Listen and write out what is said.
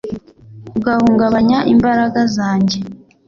ugahungabanya imbaraga zanjye.